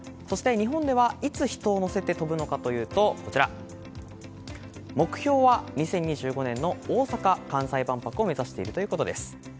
そして日本では、いつ人を乗せて飛ぶのかというと目標は２０２５年の大阪・関西万博を目指しているということです。